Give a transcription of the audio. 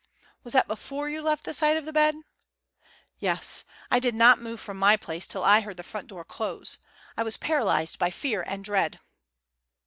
'" "Was that before you left the side of the bed?" "Yes; I did not move from my place till I heard the front door close. I was paralysed by fear and dread."